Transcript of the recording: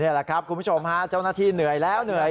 แหละครับคุณผู้ชมฮะเจ้าหน้าที่เหนื่อยแล้วเหนื่อย